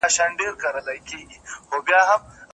دا هغه بېړۍ ډوبیږي.